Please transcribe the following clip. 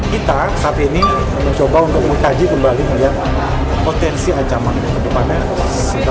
kita saat ini mencoba untuk mengkaji kembali melihat potensi ancaman ke depannya kita